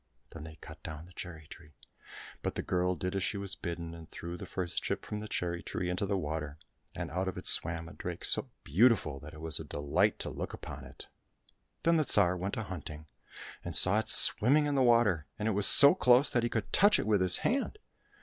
— Then they cut down the cherry tree ; but the girl did as she was bidden, and threw the first chip from the cherry tree into the water, and out of it swam a drake so beautiful that it was a delight to look upon it. Then the Tsar went a hunting, and saw it swimming in the water, and it was so close that he could touch it with his hand.